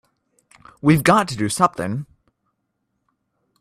We've got to do something!